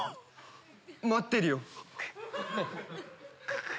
待ってるよ。